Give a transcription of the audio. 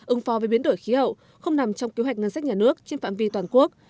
ứng phó với biến đổi khí hậu không nằm trong kế hoạch ngân sách nhà nước trên phạm vi toàn quốc